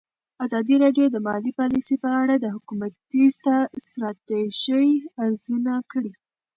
ازادي راډیو د مالي پالیسي په اړه د حکومتي ستراتیژۍ ارزونه کړې.